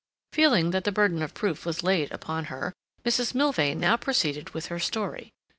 Feeling that the burden of proof was laid upon her, Mrs. Milvain now proceeded with her story.